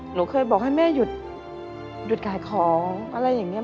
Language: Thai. หนูเคยบอกให้แม่หยุดขายของอะไรอย่างนี้